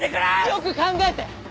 よく考えて！